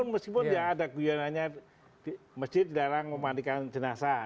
meskipun ya ada guiananya masjid jarang memandikan jenazah